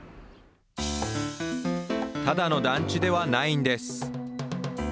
ただの団地ではないんです。